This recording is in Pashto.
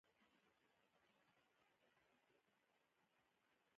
کله مې چې ژبه غاښ ته نږدې کړه غاښ نه و